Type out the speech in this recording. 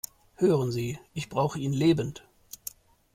Hören Sie, ich brauche ihn lebend!